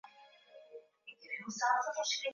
Mbinguni kuna malaika